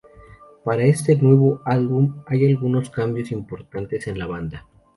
Para este nuevo álbum hay algunos cambios importantes en la banda.